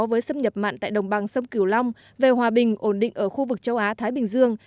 với xâm nhập mặn tại đồng bằng sông cửu long về hòa bình ổn định ở khu vực châu á thái bình dương